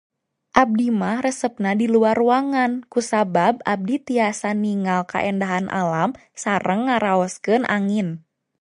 Abdi mah resepna di luar ruangan kusabab abdi tiasa ningal kaendahan alam sareng ngaraoskeun angin.